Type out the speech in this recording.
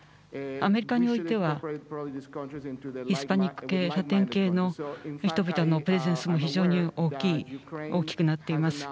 アメリカにおいてはヒスパニック系ラテン系の人々のプレゼンスも非常に大きくなっています。